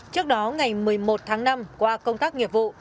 trước đó ngày một mươi một tháng năm qua công tác nghiệp vụ